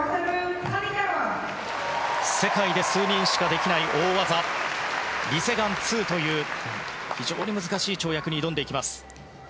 世界で数人しかできない大技リ・セグァン２という非常に難しい跳躍に挑んでいきます。